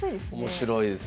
面白いですね。